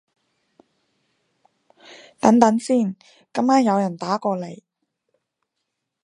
等等先，咁啱有人打過來